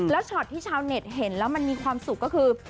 แล้วช็อตที่ชาวเน็ตเห็นแล้วมันมีความสุขก็คือ